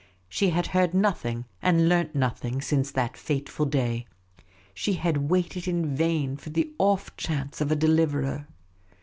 She had heard no thing and learnt nothing since that fateful day ; she had waited in vain for the off chance of a deliverer.